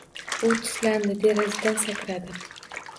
U tislandi derazadan sakradi.